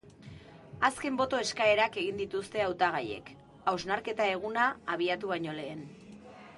Azken boto eskaerak egin dituzte hautagaiek, hausnarketa eguna abiatu baino lehen.